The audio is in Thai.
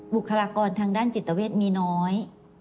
บุคลากรทางด้านจิตเวทมีน้อย